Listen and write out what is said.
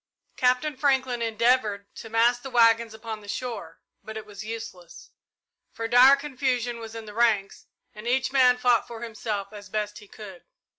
Captain Franklin endeavoured to mass the waggons upon the shore, but it was useless, for dire confusion was in the ranks and each man fought for himself as best he could.